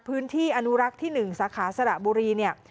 พื้นที่อณุรักษ์ที่๑สรับุรี